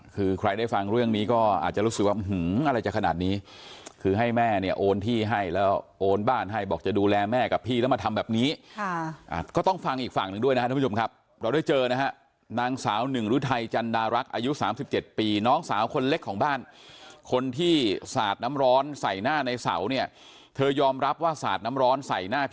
คือใครได้ฟังเรื่องนี้ก็อาจจะรู้สึกว่าอะไรจะขนาดนี้คือให้แม่เนี่ยโอนที่ให้แล้วโอนบ้านให้บอกจะดูแลแม่กับพี่แล้วมาทำแบบนี้ก็ต้องฟังอีกฝั่งหนึ่งด้วยนะครับทุกผู้ชมครับเราได้เจอนะฮะนางสาวหนึ่งฤทัยจันดารักษ์อายุ๓๗ปีน้องสาวคนเล็กของบ้านคนที่สาดน้ำร้อนใส่หน้าในเสาเนี่ยเธอยอมรับว่าสาดน้ำร้อนใส่หน้าก